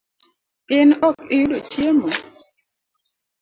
In ok iyudo chiemo?